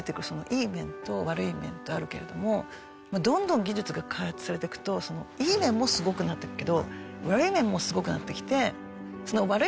いい面と悪い面とあるけれどもどんどん技術が開発されていくといい面もすごくなっていくけど悪い面もすごくなってきて。